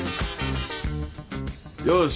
よし。